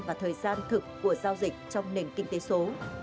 và thời gian thực của giao dịch trong nền kinh tế số